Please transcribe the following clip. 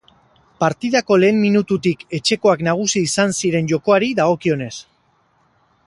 Partidako lehen minututik etxekoak nagusi izan ziren jokoari dagokionez.